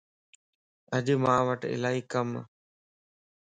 اڄ مانوٽ الائي ڪمَ